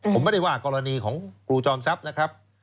ผมไม่ได้ว่ากรณีของครูจอมทรัพย์นะครับ